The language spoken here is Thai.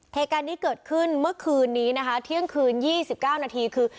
เหตุการณ์นี้เกิดขึ้นเมื่อคืนนี้นะคะเที่ยงคืน๒๙นาทีคือ